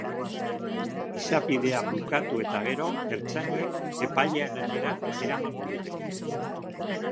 Izapideak bukatu eta gero, ertzainek epailearenera eramango dute.